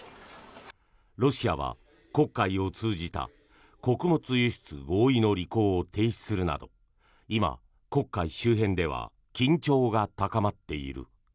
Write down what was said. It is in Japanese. ロシアは黒海を通じた穀物輸出合意の履行を停止するなど今、黒海周辺では緊張が高まっている。